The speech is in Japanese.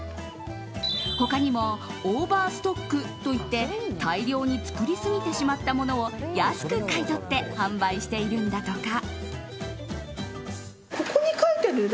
他にもオーバーストックといって大量に作りすぎてしまったものを安く買い取って販売しているんだとか。